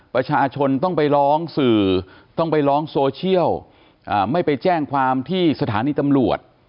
ประชาชนต้องไปร้องสื่อต้องไปร้องโซเชียลไม่ไปแจ้งความที่สถานีตำรวจ